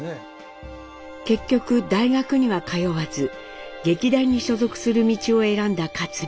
結局大学には通わず劇団に所属する道を選んだ克実。